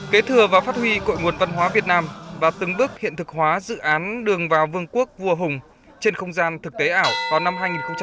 kế thừa và phát huy cội nguồn văn hóa việt nam và từng bước hiện thực hóa dự án đường vào vương quốc vua hùng trên không gian thực tế ảo vào năm hai nghìn hai mươi